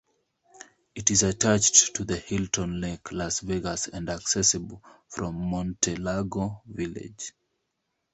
It is attached to the Hilton Lake Las Vegas and accessible from MonteLago Village.